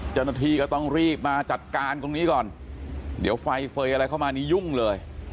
เจ้าหน้าที่ก็ต้องรีบมาจัดการตรงนี้ก่อนเดี๋ยวไฟเฟย์อะไรเข้ามานี่ยุ่งเลย